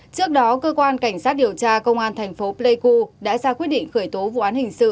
trước đó cơ quan cảnh sát điều tra công an thành phố pleiku đã ra quyết định khởi tố vụ án hình sự